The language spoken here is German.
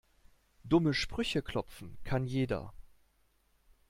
Dumme Sprüche klopfen kann jeder.